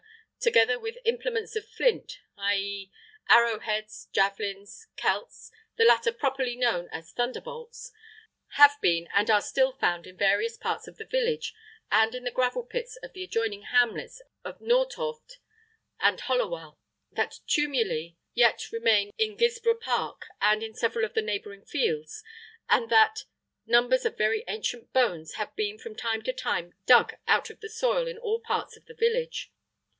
together with implements of flint i.e., arrow heads, javelins, celts (the latter popularly known as "thunderbolts") have been and are still found in various parts of the village and in the gravel pits of the adjoining hamlets of Nortorft and Hollowell; that tumuli yet remain in Guilsborough Park and in several of the neighbouring fields, and that numbers of very ancient bones have been from time to time dug out of the soil in all parts of the village.